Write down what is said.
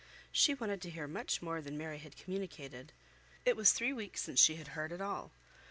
She wanted to hear much more than Mary had communicated. It was three weeks since she had heard at all.